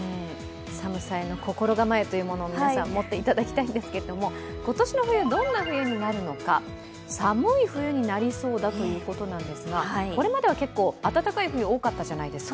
寒さへの心構えを皆さん持っていただきたいんですが今年の冬、どんな冬になるのか、寒い冬になりそうだということですがこれまでは結構、暖かい冬多かったじゃないですか。